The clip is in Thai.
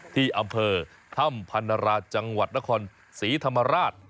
ที่อำเภอถ้ำพันราจังหวัดนครศรีธรรมราช